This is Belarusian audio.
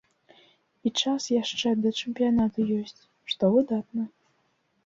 І час яшчэ да чэмпіянату ёсць, што выдатна.